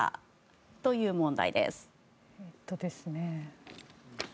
えっとですね。